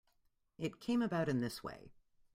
It came about in this way.